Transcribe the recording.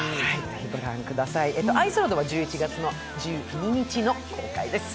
「アイス・ロード」は１１月１２日の公開です。